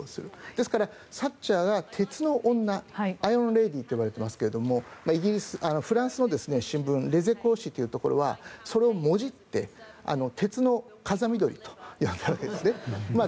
ですから、サッチャーが鉄の女アイアンレディーといわれていますがフランスの新聞レゼコー紙というところはそれをもじって鉄の風見鶏と呼んだわけですね。